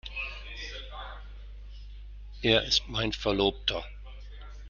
Er ist mein Verlobter.